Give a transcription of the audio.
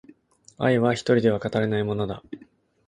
愛は一人では語れないものだ